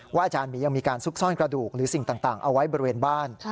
อาจารย์หมียังมีการซุกซ่อนกระดูกหรือสิ่งต่างเอาไว้บริเวณบ้าน